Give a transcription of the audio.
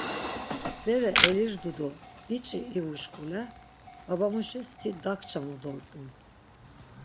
Bere elirdu do biç̌i ivu şkule baba muşis ti dakçanu dort̆un.